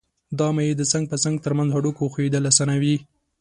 دا مایع د څنګ په څنګ تر منځ هډوکو ښویېدل آسانوي.